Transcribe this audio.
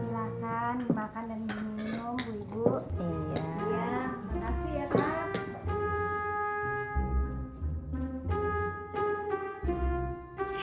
makanan minum ibu ibu